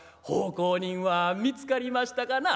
奉公人は見つかりましたかな？」。